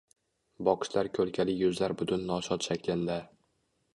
Boqishlar koʻlkali yuzlar butun noshod shaklinda